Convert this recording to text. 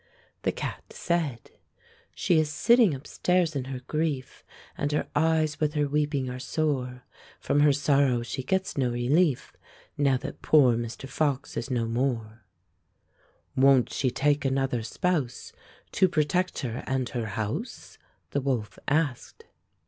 The cat said :— "She is sitting upstairs in her grief. And her eyes with her weeping are sore. From her sorrow she gets no relief Now that poor Mr. Fox is no more." "Won't she take another spouse To protect her and her house?" the wolf asked.